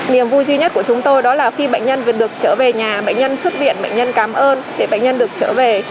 niềm vui duy nhất của chúng tôi đó là khi bệnh nhân được trở về nhà bệnh nhân xuất viện bệnh nhân cảm ơn thì bệnh nhân được trở về